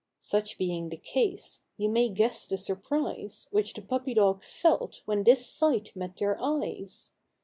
Such being the case, you may guess the surprise Which the Puppy Dogs felt when this sight met their eyes ! 126 THE COUSINS.